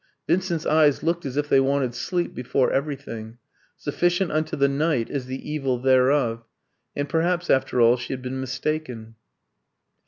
Vincent's eyes looked as if they wanted sleep before everything. Sufficient unto the night is the evil thereof. And perhaps, after all, she had been mistaken.